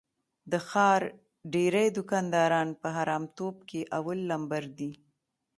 د ښار ډېری دوکانداران په حرامتوب کې اول لمبر دي.